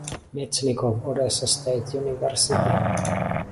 Mechnikov Odessa State University.